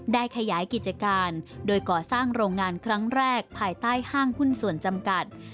ได้ขยายกิจการโดยก่อสร้างโรงงานครั้งแรกภายใต้ห้างหุ้นส่วนจำกัด